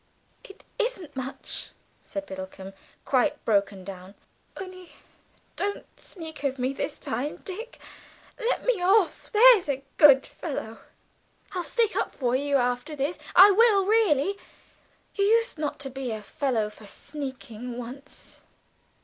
"It isn't much," said Biddlecomb, quite broken down; "only don't sneak of me this time, Dick, let me off, there's a good fellow. I'll stick up for you after this, I will really. You used not to be a fellow for sneaking once.